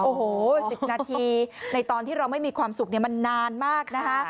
โอ้โห๑๐นาทีในตอนที่เราไม่มีความสุขมันนานมากนะคะ